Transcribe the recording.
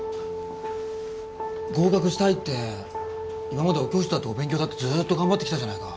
合格したいって今までお教室だってお勉強だってずっと頑張ってきたじゃないか。